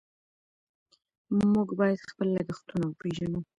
موږ باید خپل لګښتونه وپېژنو.